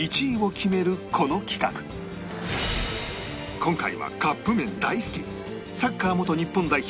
今回はカップ麺大好きサッカー元日本代表